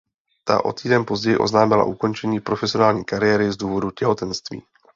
Ta o týden později oznámila ukončení profesionální kariéry z důvodu těhotenství.